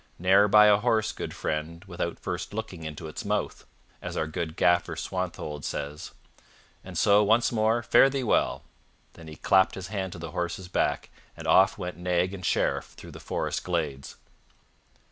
'Ne'er buy a horse, good friend, without first looking into its mouth,' as our good gaffer Swanthold says. And so, once more, fare thee well." Then he clapped his hand to the horse's back, and off went nag and Sheriff through the forest glades.